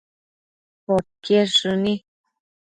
podquied shëni